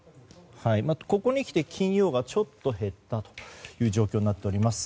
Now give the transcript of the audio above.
ここにきて、金曜がちょっと減ったという状況になっています。